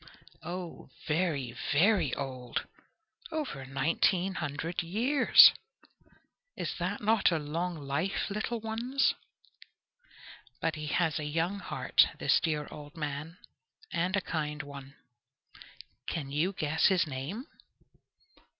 Oh, very, very old! Over nineteen hundred years! Is that not a long life, little ones? But he has a young heart this dear old man, and a kind one. Can you guess his name?